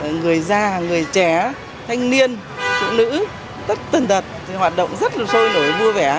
nhà người già người trẻ thanh niên trụ nữ tất tần đật hoạt động rất là sôi nổi vui vẻ